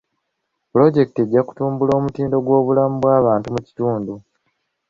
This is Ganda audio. Pulojekiti ejja kutumbula omutindo gw'obulamu bw'abantu mu kitundu.